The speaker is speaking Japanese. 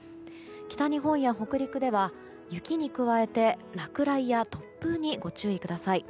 北日本や北陸では雪に加えて落雷や突風にご注意ください。